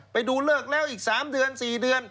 ไปดูเลิกแล้วอีก๓เดือน๔เดือน